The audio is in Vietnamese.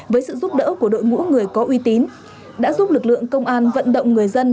với sự giúp đỡ của đội ngũ người có uy tín đã giúp lực lượng công an vận động người dân